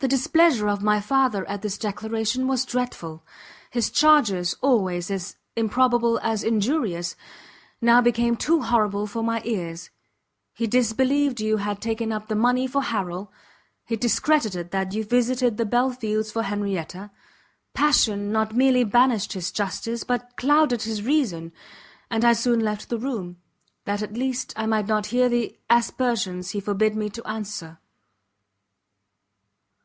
The displeasure of my father at this declaration was dreadful; his charges, always as improbable as injurious, now became too horrible for my ears; he disbelieved you had taken up the money for Harrel, he discredited that you visited the Belfields for Henrietta: passion not merely banished his justice, but, clouded his reason, and I soon left the room, that at least I might not hear the aspersions he forbid me to answer.